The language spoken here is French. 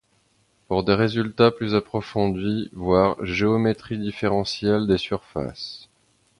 Pour des résultats plus approfondis, voir Géométrie différentielle des surfaces.